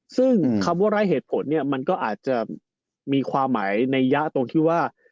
ซึ่งคำว่ารายเหตุผลก็อาจจะมีความหมายในยะตรงที่ว่า